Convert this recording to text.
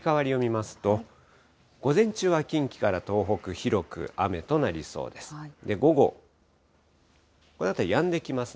天気の移り変わりを見ますと、午前中は近畿から東北、広く雨となりそうです。